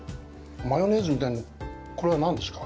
マヨネーズみたいなこれは何ですか？